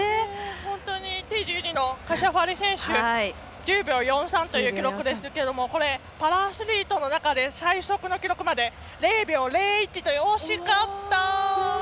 本当にカシャファリ選手１０秒４３の記録でしたがパラアスリートの中の最速の記録まで０秒０１、惜しかった。